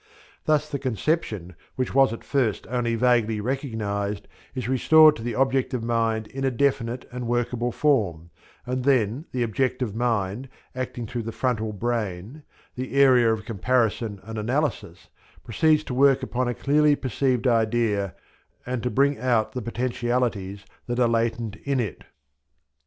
Thus the conception which was at first only vaguely recognized is restored to the objective mind in a definite and workable form, and then the objective mind, acting through the frontal brain the area of comparison and analysis proceeds to work upon a clearly perceived idea and to bring out the potentialities that are latent in it.